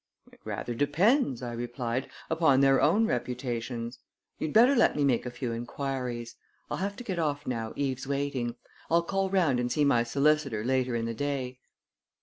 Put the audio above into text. "It rather depends," I replied, "upon their own reputations. You'd better let me make a few inquiries. I'll have to get off now, Eve's waiting. I'll call round and see my solicitor later in the day."